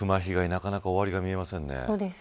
なかなか終わりが見えませんね。